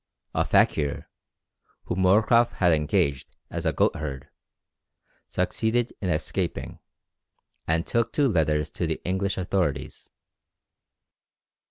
A fakir, whom Moorcroft had engaged as a goat herd, succeeded in escaping, and took two letters to the English authorities.